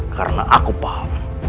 karena aku paham